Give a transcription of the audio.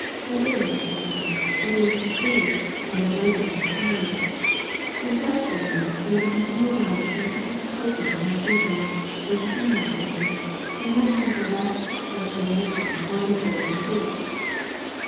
There is, besides, a waste of food, and of labor in preparing it. In such families, there is a continual round of eating, cooking, and sleeping, with the female portion; and no time for rest, recreation, or literary pursuits."